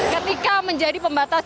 ketika menjadi pembatas